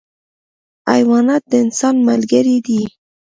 حیوانات د انسان ملګري دي.